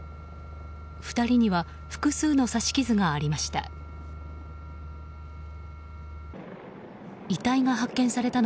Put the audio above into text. ２人には複数の刺し傷がありました。